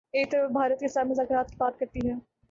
ایک طرف وہ بھارت کے ساتھ مذاکرات کی بات کرتی ہے۔